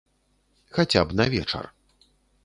Хаця б на вечар.